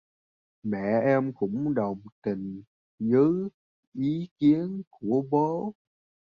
Mẹ em cũng đồng tình với ý kiến của bố